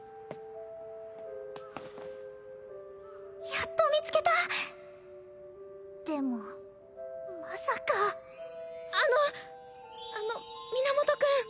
やっと見つけたでもまさかあのあの源くん！